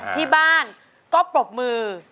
ที่บ้านก็ปรบมือ